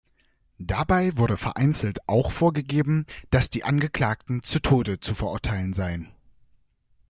Dabei wurde vereinzelt auch vorgegeben, dass die Angeklagten zu Tode zu verurteilen seien.